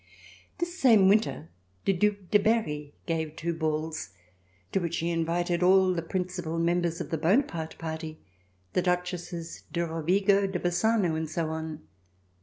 This same winter, the Due de Berry gave two balls to which he invited all the principal members of the Bonaparte Party, the Duchesses de Rovigo, de Bas sano and so on.